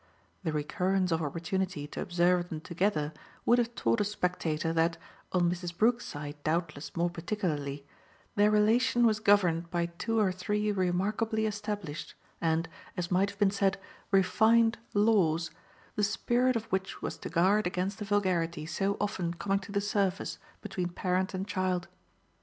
The recurrence of opportunity to observe them together would have taught a spectator that on Mrs. Brook's side doubtless more particularly their relation was governed by two or three remarkably established and, as might have been said, refined laws, the spirit of which was to guard against the vulgarity so often coming to the surface between parent and child.